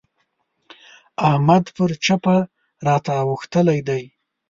احمد پر چپه راته اوښتلی دی.